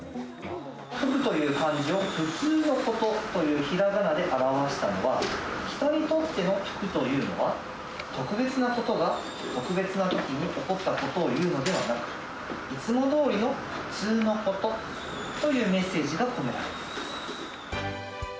福という漢字をふつうのことというひらがなで表したのは、人にとっての福というのは、特別なことが特別なときに起こったことをいうのではなく、いつもどおりのふつうのことというメッセージが込められています。